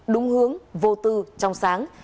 đúng hướng vô tư trong sáng